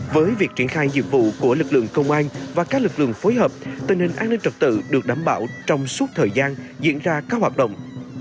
với việc triển khai nhiệm vụ của lực lượng công an và các lực lượng phối hợp tình hình an ninh trật tự được đảm bảo trong suốt thời gian diễn ra các hoạt động